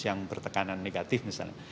yang bertekanan negatif misalnya